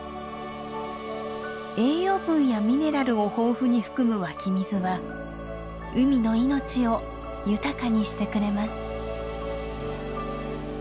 栄養分やミネラルを豊富に含む湧き水は海の命を豊かにしてくれます。